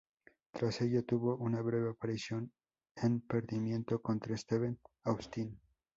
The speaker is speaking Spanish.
Tras ello, tuvo una breve aparición en perdiendo contra Steve Austin.